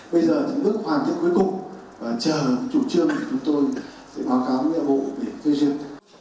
bây giờ thì bước hoàn thiện cuối cùng và chờ chủ trương chúng tôi sẽ báo cáo với bộ về phương truyền